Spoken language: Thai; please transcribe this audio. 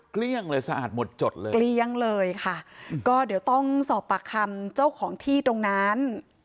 เกลี้ยงเลยก็เดี๋ยวต้องสอบผ่าคำเจ้าของที่ตรงนั้น